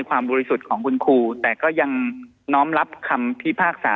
บริสุทธิ์ของคุณครูแต่ก็ยังน้อมรับคำพิพากษา